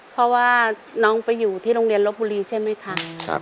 เพราะว่าน้องไปอยู่ที่โรงเรียนลบบุรีใช่ไหมคะ